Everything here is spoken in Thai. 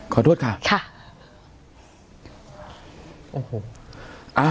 ขอโทษค่ะค่ะ